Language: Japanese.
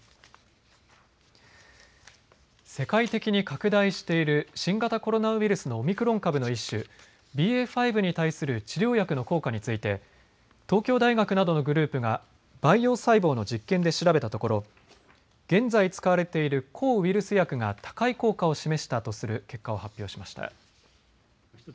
世界的に拡大している新型コロナウイルスのオミクロン株の一種、ＢＡ．５に対する治療薬の効果について東京大学などのグループが培養細胞の実験で調べたところ現在使われている抗ウイルス薬が高い効果を示したとする結果を発表しました。